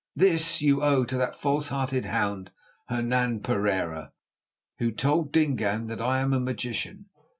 This you owe to that false hearted hound Hernan Pereira, who told Dingaan that I am a magician.